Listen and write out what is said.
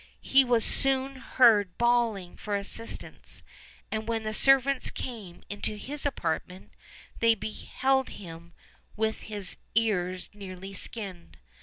He was soon heard bawling for assistance, and when the servants came into his apartment they beheld him with his ears nearly skinned.